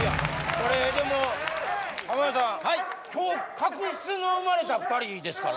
これでも浜田さんはい今日確執が生まれた２人ですからね